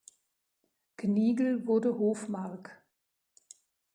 Gnigl wurde Hofmark.